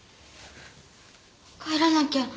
帰らなきゃ。